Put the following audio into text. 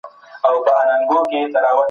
ستاسو په سترګو کي به د کامیابۍ نښي ښکاري.